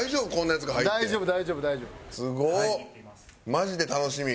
マジで楽しみ。